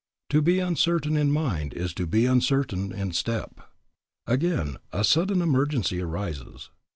To be uncertain in mind is to be uncertain in step. Again, a sudden emergency arises.